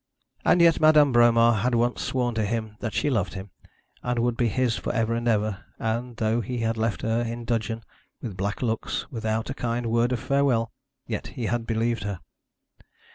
And yet Marie Bromar had once sworn to him that she loved him, and would be his for ever and ever; and, though he had left her in dudgeon, with black looks, without a kind word of farewell, yet he had believed her.